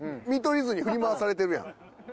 見取り図に振り回されてるやん。